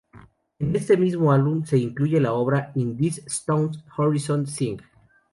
En este mismo álbum se incluye la obra ""In These Stones Horizons Sing"".